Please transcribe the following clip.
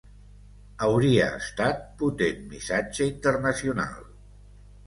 Hauria estat potent missatge internacional.